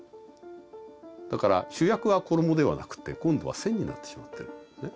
だから主役は衣ではなくて今度は線になってしまってるんですね。